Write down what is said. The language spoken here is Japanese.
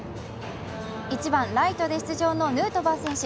１番・ライトで出場のヌートバー選手。